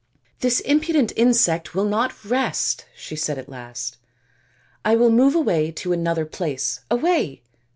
" This impudent insect will not rest," she said at last. " I will move away to another place. Away